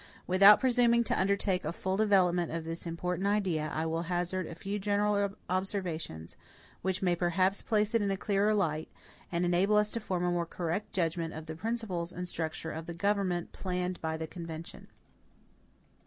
Without presuming to undertake a full development of this important idea, I will hazard a few general observations, which may perhaps place it in a clearer light, and enable us to form a more correct judgment of the principles and structure of the government planned by the convention.